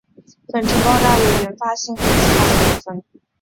粉尘爆炸有原发性和继发性之分。